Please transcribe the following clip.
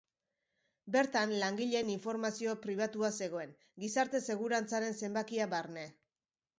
Bertan langileen informazio pribatua zegoen, gizarte-segurantzaren zenbakia barne.